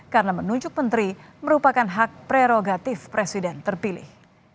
karena menunjuk menteri merupakan hak prerogatif presiden terpilih